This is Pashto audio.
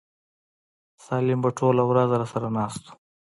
سالم به ټوله ورځ راسره ناست و.